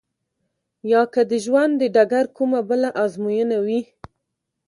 يا که د ژوند د ډګر کومه بله ازموينه وي.